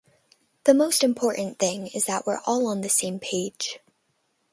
The most important thing is that we're all on the same page.